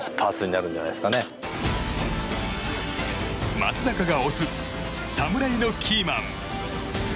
松坂が推す侍のキーマン